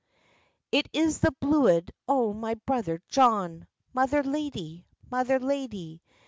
"It is the bluid o' my brother John, Mother lady! Mother lady!